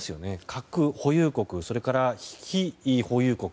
核保有国、それから非保有国。